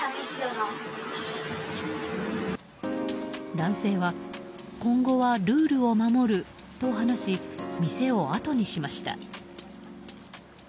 男性は今後はルールを守ると話し店をあとにしました。